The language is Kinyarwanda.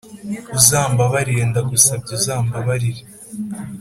uzambabarire, ndagusabye uzambabarire